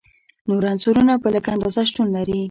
نور عنصرونه په لږه اندازه شتون لري.